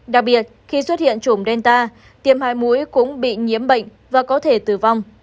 đặc biệt khi xuất hiện chủm delta tiêm hai mũi cũng bị nhiễm bệnh và có thể tử vong